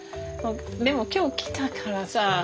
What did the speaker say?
でも今日来たからさ。